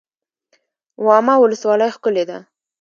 واما ولسوالۍ ښکلې ده؟